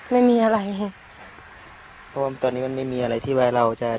ไม่มีอะไรค่ะเพราะว่าตอนนี้มันไม่มีอะไรที่ว่าเราจะ